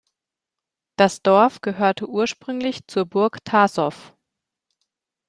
Das Dorf gehörte ursprünglich zur Burg Tasov.